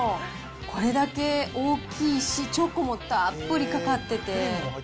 これだけ大きいし、チョコもたっぷりかかってて。